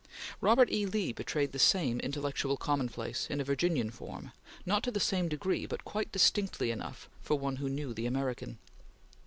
Robert E. Lee betrayed the same intellectual commonplace, in a Virginian form, not to the same degree, but quite distinctly enough for one who knew the American.